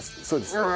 そうです。